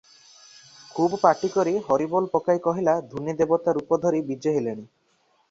ଖୁବ୍ ପାଟି କରି ହରିବୋଲ ପକାଇ କହିଲା, ଧୂନି ଦେବତା ରୂପ ଧରି ବିଜେ ହେଲେଣି ।